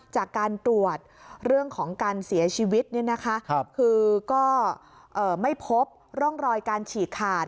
จากการตรวจเรื่องของการเสียชีวิตคือก็ไม่พบร่องรอยการฉีกขาด